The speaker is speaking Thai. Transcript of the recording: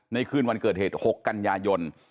คืนวันเกิดเหตุ๖กันยายน